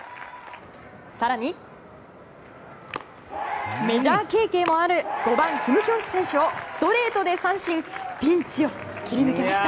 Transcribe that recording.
更に、メジャー経験もある５番、キム・ヒョンス選手をストレートで三振ピンチを切り抜けました。